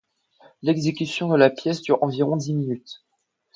L'exécution de la pièce dure environ dix minutes.